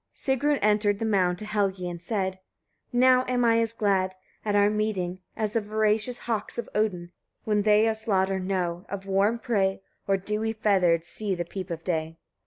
Sigrun entered the mound to Helgi and said: 41. Now am I as glad, at our meeting, as the voracious hawks of Odin, when they of slaughter know; of warm prey, or, dewy feathered, see the peep of day.